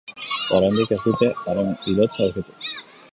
Oraindik ez dute haren hilotza aurkitu.